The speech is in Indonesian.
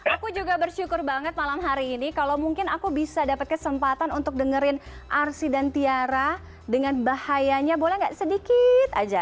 aku juga bersyukur banget malam hari ini kalau mungkin aku bisa dapat kesempatan untuk dengerin arsy dan tiara dengan bahayanya boleh gak sedikit aja